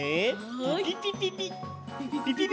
ピピピピピッピピピピピ。